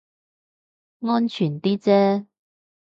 安全啲啫